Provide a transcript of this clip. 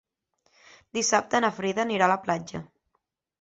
Dissabte na Frida anirà a la platja.